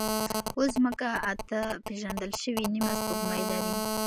اوس ځمکه اته پېژندل شوې نیمه سپوږمۍ لري.